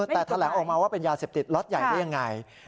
แต่แถลงออกมาว่าเป็นยาเสพติดล็อตใหญ่ได้ยังไง